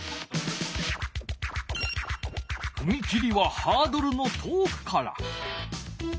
ふみ切りはハードルの遠くから。